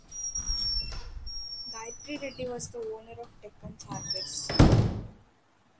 Gayatri Reddy was the owner of Deccan Chargers.